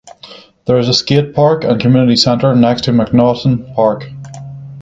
There is a skate park and community centre next to MacNaughton Park.